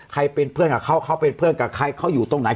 ใครเป็นเพื่อนกับเขาเขาเป็นเพื่อนกับใครเขาอยู่ตรงไหน